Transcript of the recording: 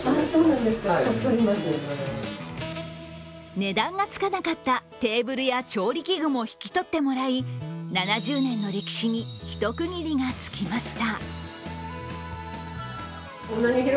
値段がつかなかったテーブルや調理器具も引き取ってもらい７０年の歴史に一区切りがつきました。